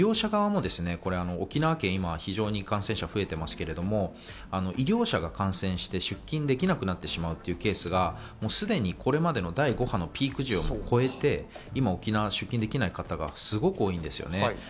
医療者側も沖縄県が今感染者が増えていますけど、医療者が感染して出勤できなくなってしまうケースがもうすでにこれまでの第５波のピーク時よりも超えて今、沖縄で出勤できない方がすごく多いんです。